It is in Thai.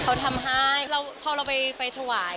เขาทำให้เราพอเราไปถวาย